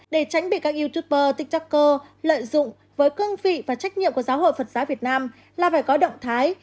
để tránh bị các youtuber tiktoker lợi dụng với cương vị và trách nhiệm của giáo hội phật giáo việt nam là phải có động thái